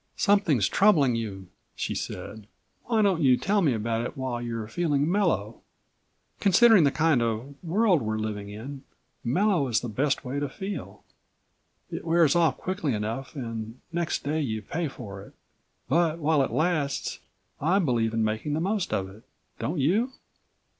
"Something's troubling you," she said. "Why don't you tell me about it while you're feeling mellow. Considering the kind of world we're living in, mellow is the best way to feel. It wears off quickly enough and next day you pay for it. But while it lasts, I believe in making the most of it. Don't you?"